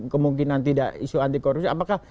kemungkinan tidak isu anti korupsi apakah